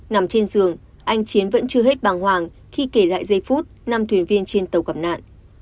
nằm trên giường anh chiến vẫn chưa hết bàng hoàng khi kể lại giây phút năm thuyền viên trên tàu gặp nạn